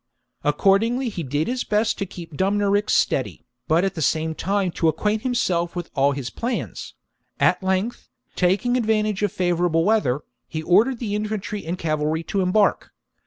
Accordingly he did his best to keep Dumnorix steady, but at the same time to acquaint himself with all his plans ': at length, taking advantage of favourable weather, he ordered the infantry and cavalry to embark.